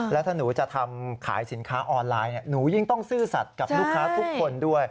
แล้วถ้าหนูจะทำขายสินค้าออนไลน์หนูยิ่งต้องซื่อสัตว์กับลูกค้าทุกคนด้วย